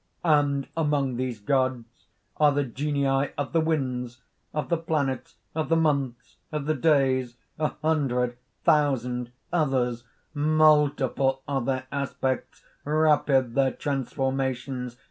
"And among these gods are the Genii of the winds, of the planets, of the months, of the days, a hundred thousand others; multiple are their aspects, rapid their transformations.